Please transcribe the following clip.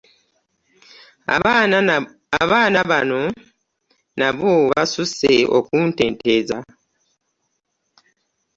Abaana bano nabo basusse okunteeteza.